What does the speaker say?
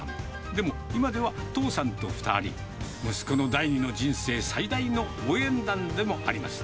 でも、今では父さんと２人、息子の第２の人生、最大の応援団でもあります。